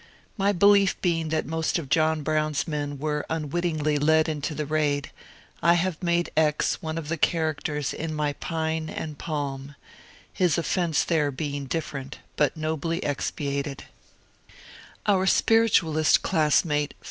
My belief being that most of John Brown's men were unwittingly led into the raid, I have made X. one of the characters in my *^ Pine and Palm," his ofiFence there being difiFerent but nobly expiated. 182 MONCURE DANIEL CONWAY Our spiritoalist classmate.